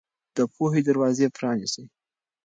د پوهې دروازې پرانيزئ.